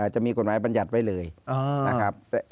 จะมีกฎหมายบรรยัติไว้เลยนะครับ